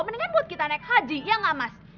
mendingan buat kita naik haji ya gak mas